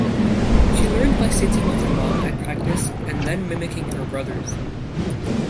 She learned by sitting with her mom at practice and then mimicking her brothers.